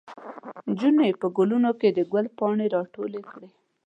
نجونې په ګلونو کې د ګل پاڼې راټولې کړې.